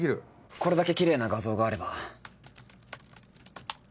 これだけキレイな画像があれば。